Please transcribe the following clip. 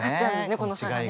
この差がね。